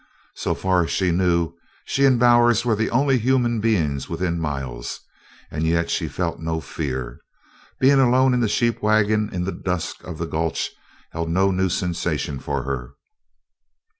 So far as she knew, she and Bowers were the only human beings within miles, yet she felt no fear; to be alone in the sheep wagon in the dusk of the gulch held no new sensation for her.